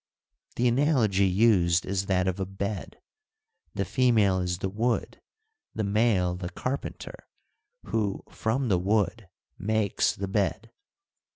The analogy used is that of a bed : the female is the wood, the male the carpenter, who, from the wood, makes the bed.